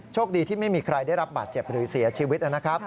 คดีที่ไม่มีใครได้รับบาดเจ็บหรือเสียชีวิตนะครับ